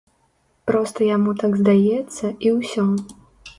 Проста яму так здаецца, і ўсё.